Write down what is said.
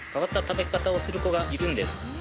変わった食べ方をする子がいるんです